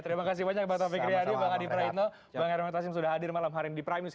terima kasih banyak pak taufik riadyo pak adi praino pak hermita sim sudah hadir malam hari ini di prime news